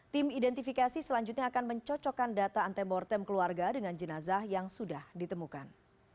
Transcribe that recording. tim identifikasi selanjutnya akan mencocokkan data antemortem keluarga dengan jenazah yang sudah ditemukan